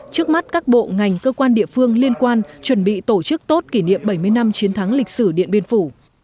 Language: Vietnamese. trước mắt các bộ ngành cơ quan địa phương liên quan chuẩn bị tổ chức tốt kỷ niệm bảy mươi năm chiến thắng lịch sử điện biên phủ